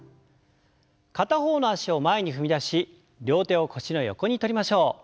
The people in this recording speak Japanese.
片方の脚を前に踏み出し両手を腰の横にとりましょう。